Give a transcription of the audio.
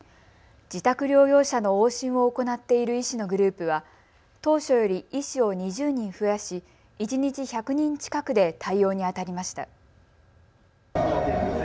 自宅療養者の往診を行っている医師のグループは当初より医師を２０人増やし一日１００人近くで対応にあたりました。